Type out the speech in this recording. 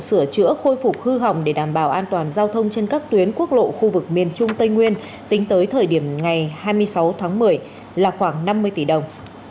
ngoài ra đã làm hư hỏng một trăm linh m hai mặt đường và ngoài ra mưa bão cũng làm hư hỏng tất cả các tuyến quốc lộ khu vực miền trung tây nguyên tính tới thời điểm ngày hai mươi sáu một mươi là khoảng năm mươi tỷ đồng